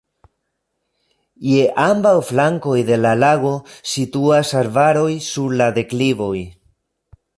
Je ambaŭ flankoj de la lago situas arbaroj sur la deklivoj.